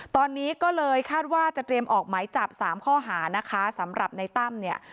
ตอนนี้ก็เลยคาดว่าจะเตรียมออกหมายจับสามข้อหานะคะสำหรับในตั้มเนี่ย